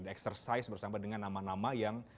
di exercise bersama dengan nama nama yang